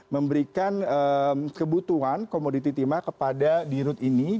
memberikan kebutuhan komoditi timah kepada dirut ini